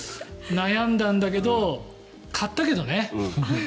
悩んだんだけど買ったけどね。